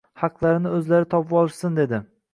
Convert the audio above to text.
Haqlarini o‘zlari topvolishsin edi